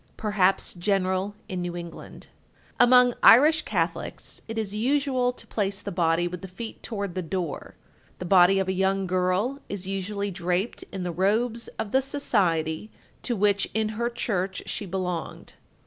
Perhaps general in New England. 1242. Among Irish Catholics it is usual to place the body with the feet toward the door. The body of a young girl is usually draped in the robes of the society to which in her church she belonged.